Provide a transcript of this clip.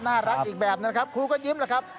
น่ารักอีกแบบนะครับครูก็ยิ้มแล้วครับ